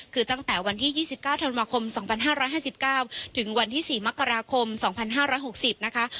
คือตั้งแต่วันที่๒๙ธันวาคม๒๕๕๙ถึงวันที่๔มกราคม๒๕๖๐นะคะ